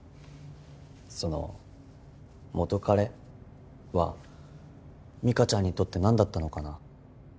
その元カレは美香ちゃんにとって何だったのかな？